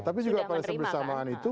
tapi juga pada sebersamaan itu